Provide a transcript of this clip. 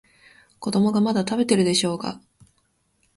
子供がまだ食べてるでしょうが。